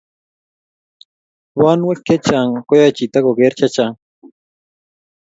Bonwek che chang' koyae chito ko geer che chang'